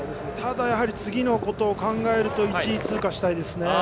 ただ、次のことを考えると１位通過したいですね。